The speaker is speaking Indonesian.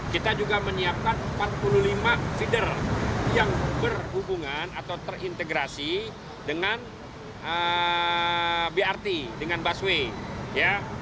dishub juga menyediakan empat puluh tujuh unit bus yang terintegrasi dengan busway